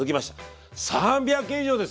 ３００件以上ですよ！